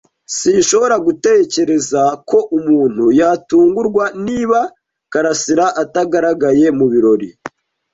Sinshobora gutekereza ko umuntu yatungurwa niba karasira atagaragaye mubirori.